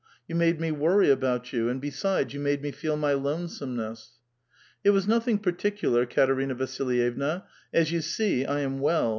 You made me woiry about you, and besides, you made me feel my lonesomeness." *' It was nothing particular, Katerina Vasilyevna ; as you see, I am well.